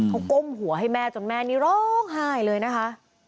เขาก้มหัวให้แม่จนแม่นี่ร้องไห้เลยนะคะ